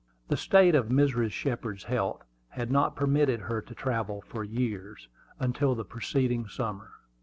The state of Mrs. Shepard's health had not permitted her to travel for several years, until the preceding summer.